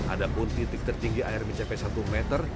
ada pun titik tertinggi air mencapai satu meter